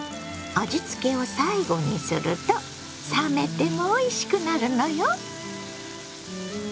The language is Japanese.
味付けを最後にすると冷めてもおいしくなるのよ！